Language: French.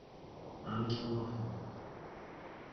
Un million d’enfants.